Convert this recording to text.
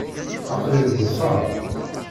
Aql-iyi deg uxxam.